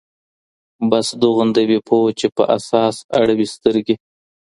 بس دوغنده وي پوه چي په اساس اړوي سـترګـي